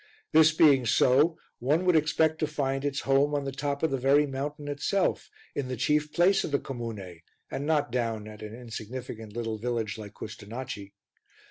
This being so, one would expect to find its home on the top of the very Mountain itself, in the chief place of the comune, and not down at an insignificant little village like Custonaci.